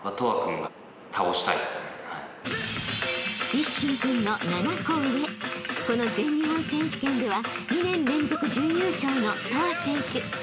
［一心君の７個上この全日本選手権では２年連続準優勝の］